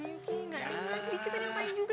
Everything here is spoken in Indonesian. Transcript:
gak emang diki pengen pake juga